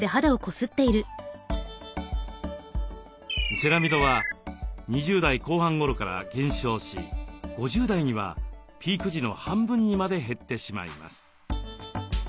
セラミドは２０代後半頃から減少し５０代にはピーク時の半分にまで減ってしまいます。